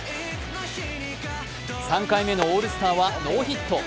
３回目のオールスターはノーヒット。